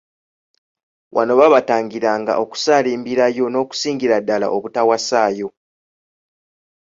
Wano baabatangiranga okusaalimbirayo n’okusingira ddala obutawasaayo.